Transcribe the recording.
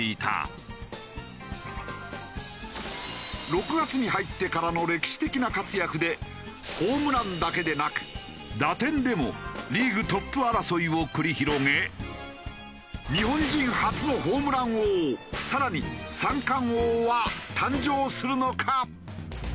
６月に入ってからの歴史的な活躍でホームランだけでなく打点でもリーグトップ争いを繰り広げ日本人初のホームラン王更に三冠王は誕生するのか？